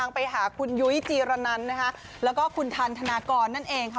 ไปหาคุณยุ้ยจีรนันนะคะแล้วก็คุณทันธนากรนั่นเองค่ะ